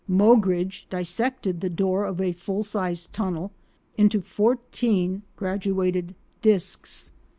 Moggridge dissected the door of a full sized tunnel into fourteen graduated discs.